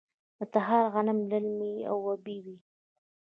د تخار غنم للمي او ابي وي.